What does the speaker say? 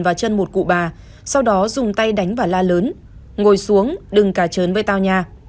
và chân một cụ bà sau đó dùng tay đánh và la lớn ngồi xuống đừng cả trớn với tao nha